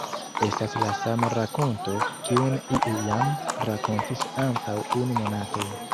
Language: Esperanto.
Estas la sama rakonto, kiun iu jam rakontis antaŭ unu monato!